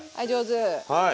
はい。